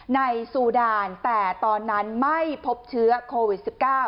ซูดานแต่ตอนนั้นไม่พบเชื้อโควิด๑๙